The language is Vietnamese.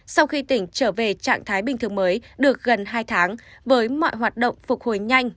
sau khi tỉnh trở về trạng thái bình thường mới được gần hai tháng với mọi hoạt động phục hồi nhanh